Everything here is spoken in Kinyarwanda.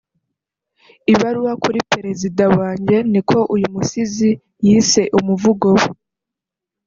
ibaruwa kuri perezida wanjye niko uyu musizi yise umuvugo we